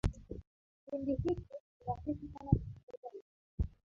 kipindi hiki ni rahisi sana kupoteza uzito